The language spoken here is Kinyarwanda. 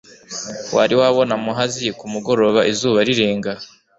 Wari wabona Muhazi ku mugoroba izuba rirenga?